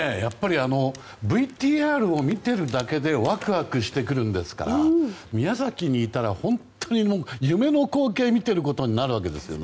ＶＴＲを見ているだけでワクワクしてくるんですから宮崎にいたら、本当に夢の光景を見ていることになるわけですよね。